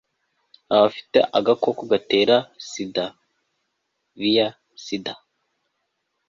abafite agakoko gatera sida vih sida